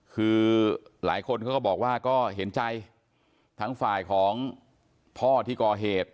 คือหลายคนเขาก็บอกว่าก็เห็นใจทั้งฝ่ายของพ่อที่ก่อเหตุ